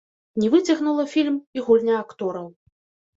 Не выцягнула фільм і гульня актораў.